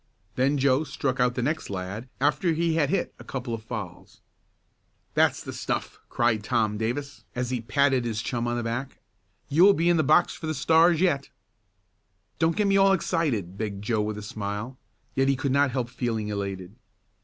Then Joe struck out the next lad after he had hit a couple of fouls. "That's the stuff!" cried Tom Davis, as he patted his chum on the back. "You'll be in the box for the Stars yet." "Don't get me all excited," begged Joe with a smile. Yet he could not help feeling elated.